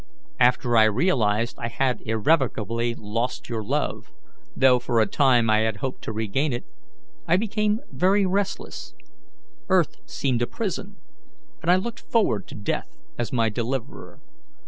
After I realized I had irrevocably lost your love, though for a time I had hoped to regain it, I became very restless; earth seemed a prison, and I looked forward to death as my deliverer.